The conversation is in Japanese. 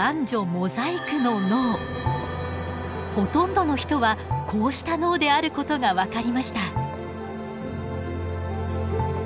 ほとんどの人はこうした脳であることが分かりました。